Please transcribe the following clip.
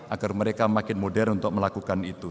agar mereka makin modern untuk melakukan itu